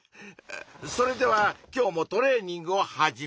それでは今日もトレーニングを始めよう！